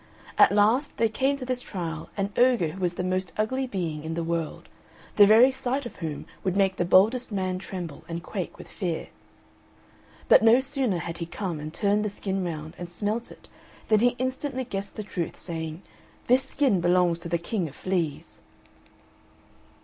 At last there came to this trial an ogre who was the most ugly being in the world, the very sight of whom would make the boldest man tremble and quake with fear. But no sooner had he come and turned the skin round and smelt it than he instantly guessed the truth, saying, "This skin belongs to the king of fleas."